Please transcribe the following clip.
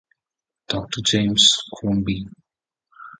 Doctor James Crombie.